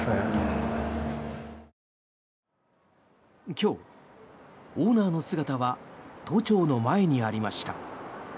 今日、オーナーの姿は都庁の前にありました。